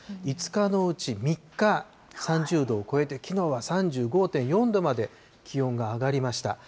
５日のうち３日、３０度を超えて、きのうは３５．４度まで気温が上がりました。